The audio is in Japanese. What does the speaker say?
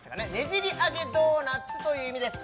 じり揚げドーナツという意味です